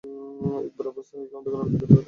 একবার অভ্যস্ত হয়ে গেলে, অন্ধকারেও আলোকিত দেখাবে।